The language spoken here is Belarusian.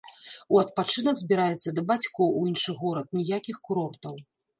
У адпачынак збіраецца да бацькоў у іншы горад, ніякіх курортаў.